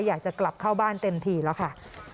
อยากจะกลับเข้าบ้านเต็มทีแล้วค่ะ